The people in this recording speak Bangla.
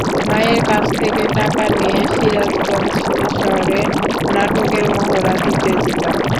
মায়ের কাছ থেকে টাকা নিয়ে সিরাজগঞ্জ শহরে নাটকের মহড়া দিতে যেতাম।